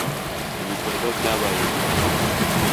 Ibikorwa byabaye bihagaze